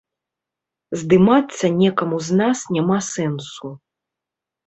Здымацца некаму з нас няма сэнсу.